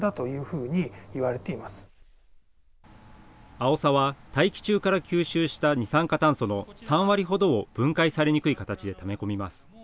アオサは大気中から吸収した二酸化炭素の３割ほどを分解されにくい形でため込みます。